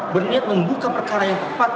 berniat membuka perkara yang tepat